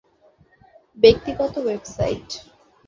ব্যক্তিগত ওয়েবসাইট